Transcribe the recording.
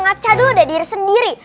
ngaca dulu udah diri sendiri